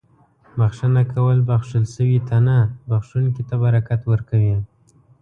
• بښنه ورکول بښل شوي ته نه، بښونکي ته برکت ورکوي.